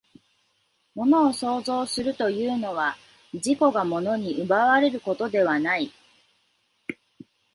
物を創造するというのは、自己が物に奪われることではない。